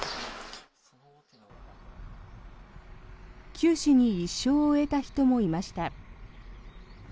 九死に一生を得た人もいました。